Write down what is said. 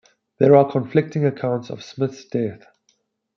There are conflicting accounts of Smith's death.